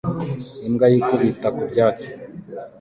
imbwa yikubita ku byatsi